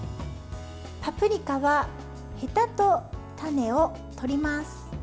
パプリカは、へたと種を取ります。